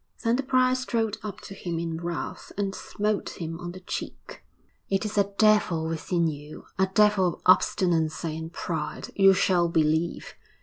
Then the prior strode up to him in wrath and smote him on the cheek. 'It is a devil within you a devil of obstinacy and pride. You shall believe!'